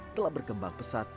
telah berkembang pesat